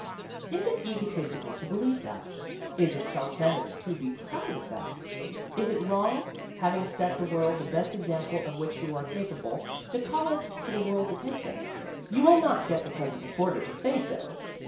Is it egoistical to believe that? Is it self centeredness to be proud of that? Is it wrong, having 88 GENE STRATTON PORTER 89 set the world the best example of which you are ca pable, to call it to the world's attention ? You will not get the present reporter to say so